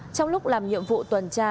trong lúc làm nhiệm vụ tuần tra